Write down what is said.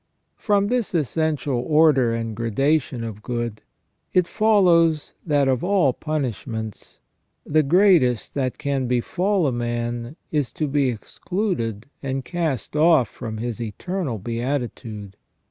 From this essential order and gradation of good, it follows that of all punishments the greatest that can befall a man is to be excluded and cast off from his eternal beatitude.